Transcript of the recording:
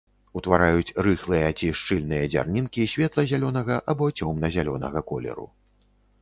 Утвараюць рыхлыя ці шчыльныя дзярнінкі светла-зялёнага або цёмна-зялёнага колеру.